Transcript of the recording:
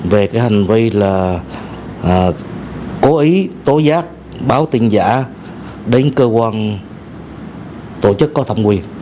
về cái hành vi là cố ý tố giác báo tin giả đến cơ quan tổ chức có thẩm quyền